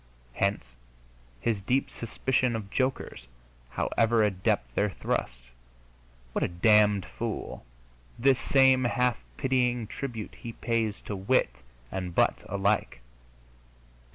Hence his deep suspicion of jokers, however adept their thrusts. "What a damned fool!" this same half pitying tribute he pays to wit and butt alike.